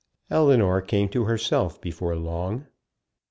Ellinor came to herself before long.